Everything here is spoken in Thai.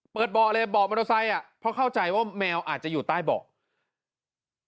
เบาะเลยเบาะมอเตอร์ไซค์อ่ะเพราะเข้าใจว่าแมวอาจจะอยู่ใต้เบาะ